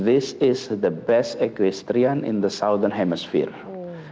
ini adalah equestrian terbaik di hemisferi barat